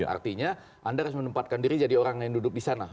artinya anda harus menempatkan diri jadi orang yang duduk di sana